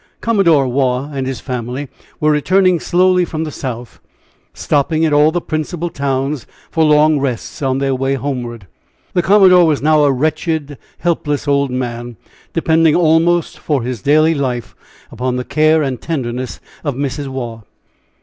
Commodore Waugh and his family were returning slowly from the South, stopping at all the principal towns for long rests on their way homeward. The commodore was now a wretched, helpless old man, depending almost for his daily life upon the care and tenderness of Mrs. Waugh.